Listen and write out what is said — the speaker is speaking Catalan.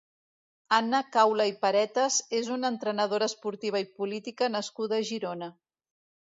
Anna Caula i Paretas és una entrenadora esportiva i política nascuda a Girona.